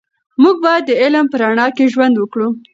موږ باید د علم په رڼا کې ژوند وکړو.